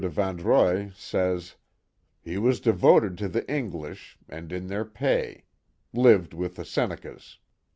de Vandreuil, says: He was devoted to the English, and in their pay; lived with the Senecas."